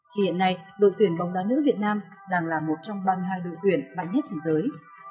khi hiện nay đội tuyển bóng đá nữ việt nam đang là một trong ba mươi hai đội tuyển mạnh nhất thế giới